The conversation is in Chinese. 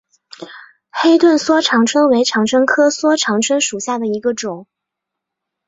黑盾梭长蝽为长蝽科梭长蝽属下的一个种。